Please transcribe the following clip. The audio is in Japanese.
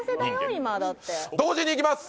今だって同時にいきます